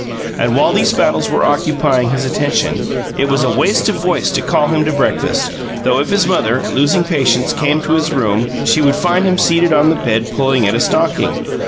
And while these battles were occupying his attention, it was a waste of voice to call him to breakfast, though if his mother, losing patience, came to his room, she would find him seated on the bed pulling at a stocking.